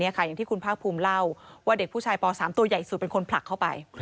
อย่างที่คุณภาคภูมิเล่าว่าเด็กผู้ชายป๓ตัวใหญ่สุดเป็นคนผลักเข้าไป